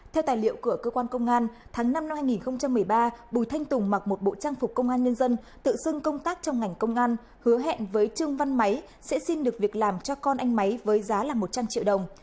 theo tài liệu của cơ quan công an tháng năm năm hai nghìn một mươi ba bùi thanh tùng mặc một bộ trang phục công an nhân dân tự xưng công tác trong ngành công an hứa hẹn với trương văn máy sẽ xin được việc làm cho con anh máy với giá là một trăm linh triệu đồng